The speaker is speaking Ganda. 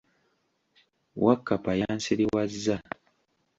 Wakkapa yansiriwazza!